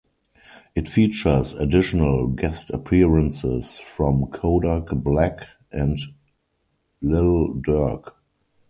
It features additional guest appearances from Kodak Black and Lil Durk.